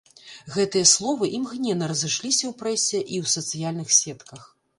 Гэтыя словы імгненна разышліся ў прэсе і ў сацыяльных сетках.